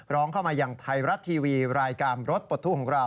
ร้องเข้ามาอย่างไทยรัฐทีวีรายการรถปลดทุกข์ของเรา